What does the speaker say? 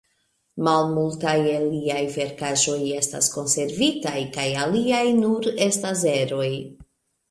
Malmultaj el liaj verkaĵoj estas konservitaj kaj aliaj nur estas eroj.